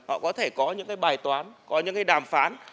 họ có thể có những bài toán có những đàm phán